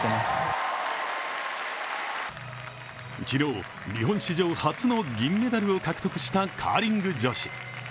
昨日、日本史上初の銀メダルを獲得したカーリング女子。